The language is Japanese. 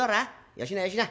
よしなよしな。